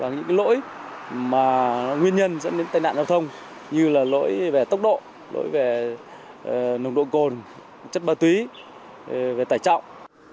như lỗi về tốc độ lỗi về nồng độ cồn chất ma túy về tài trọng